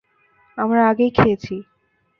আমরা আগেই খেয়েছি।